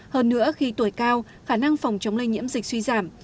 hơn nữa khi tuổi cao khả năng phòng chống lây nhiễm dịch suy giảm